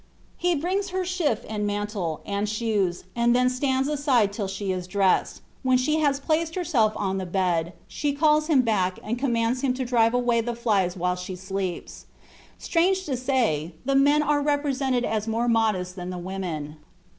He brings her shift and mantle, and shoes, and then stands aside till she is dressed; when she has placed herself on the bed, she calls him back and commands him to drive away the flies while she sleeps. Strange to say, the men are represented as more modest than the women.